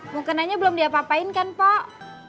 mukenanya belum diapa apain kan pak